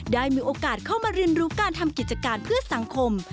ได้มีโอกาสเข้ามาเรียนรู้การทำกิจการเพื่อสังคม